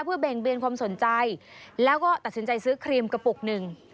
เพื่อเบ่งเบียนความสนใจแล้วก็ตัดสินใจซื้อครีมกระปุกหนึ่ง